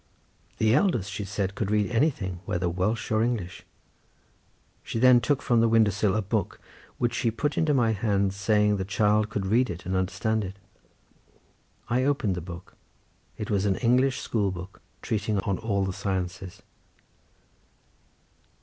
The eldest she said could read anything, whether Welsh or English; she then took from the window sill a book, which she put into my hand, saying the child could read it and understand it. I opened the book; it was an English school book treating on all the sciences.